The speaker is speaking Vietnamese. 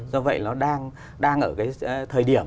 do vậy nó đang ở cái thời điểm